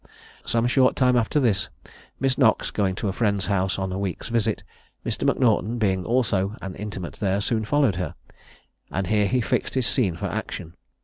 Some short time after this, Miss Knox going to a friend's house on a week's visit, Mr. M'Naughton, being also an intimate there, soon followed her; and here he fixed his scene for action.